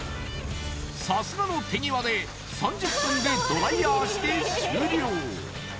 さすがの手際で３０分でドライヤーして終了